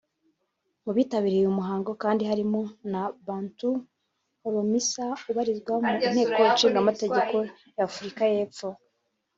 Mu bitabiriye uyu muhango kandi harimo na Bantou Holomisa ubarizwa mu Inteko Ishinga Amategeko ya Afurika y’Epfo